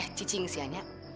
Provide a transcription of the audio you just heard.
eh cacing sih hanya